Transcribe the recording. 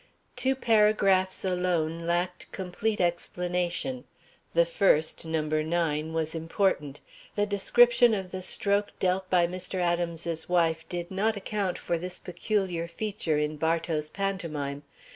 Two paragraphs alone lacked complete explanation. The first, No. 9, was important. The description of the stroke dealt by Mr. Adams's wife did not account for this peculiar feature in Bartow's pantomime.